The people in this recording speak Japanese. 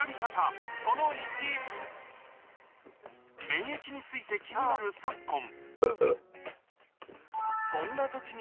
免疫について気になる昨今